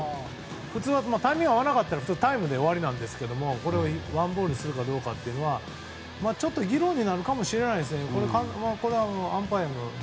普通はタイミングが合わなかったらタイムで終わりなんですけどこれをワンボールにするかはちょっと議論になるかもしれないですね。